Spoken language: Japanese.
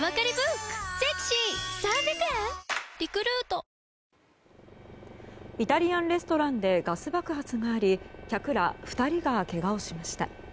スパ缶楽しいねハハハイタリアンレストランでガス爆発があり客ら２人がけがをしました。